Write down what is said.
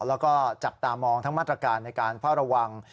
แล้วก็จับตามองทั้งมาตรการในการเฝ้าระวัง